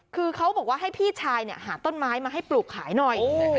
คือเขาบอกว่าให้พี่ชายหาต้นไม้มาให้ปลูกขายหน่อย